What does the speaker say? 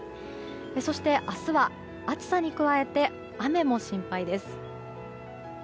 そして明日は暑さに加えて雨も心配です。